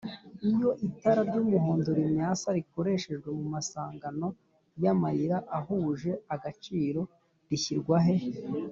iyo itara ry’umuhondo rimyasa rikoreshejwe mu masangano y’amayira ahuje agaciro rishyirwahe